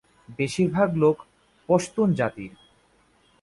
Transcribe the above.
বেশির ভাগ লোক পশতুন জাতির।